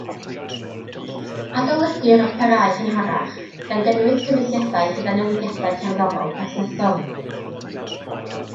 Adolygir operâu cynharach, gan gynnwys cyfieithiadau gyda newidiadau cerddorol perthnasol.